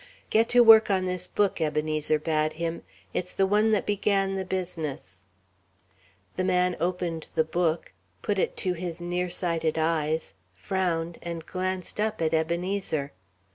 "Get to work on this book," Ebenezer bade him; "it's the one that began the business." The man opened the book, put it to his nearsighted eyes, frowned, and glanced up at Ebenezer.